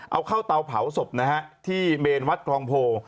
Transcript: เอาเข้าเตาเผาศพนะฮะที่เมนวัดคลองโพ